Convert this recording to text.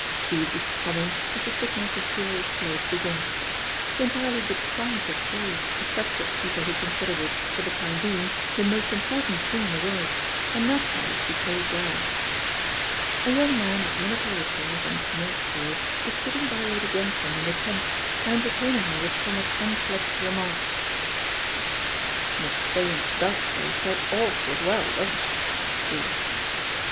Edith's coming was the signal for serious play to begin. She entirely declined to play except with people who considered it, for the time being, the most important thing in the world, and naturally she played well. A young man, of military appearance on a small scale, was sitting by Lady Grantham in the tent, and entertaining her with somewhat unfledged remarks. "Miss Staines does play so arfly well, doesn't she?" he was saying.